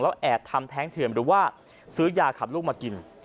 แอบทำแท้งเถื่อนหรือว่าซื้อยาขับลูกมากิน